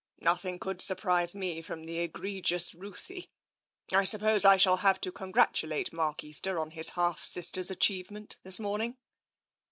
" Nothing could surprise me, from the egregious Ruthie. I suppose I shall have to congratulate Mark Easter on his half sister's achievement this morning."